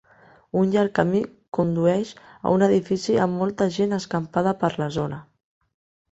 Un llarg camí condueix a un edifici amb molta gent escampada per la zona.